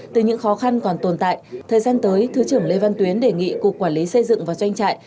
từ những khó khăn còn tồn tại thời gian tới thứ trưởng lê văn tuyến đề nghị cục quản lý xây dựng và doanh trại